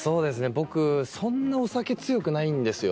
僕そんなお酒強くないんですよ。